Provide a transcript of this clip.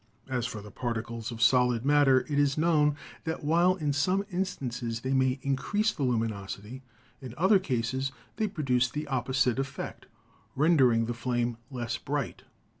As for the particles of solid matter, it is known that while in some instances they may increase the lu minosity, in other cases they produce the opposite effect, rendering the flame less bright.